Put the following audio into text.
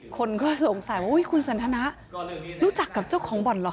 คนก็สงสัยว่าคุณสันทนะรู้จักกับเจ้าของบ่อนเหรอ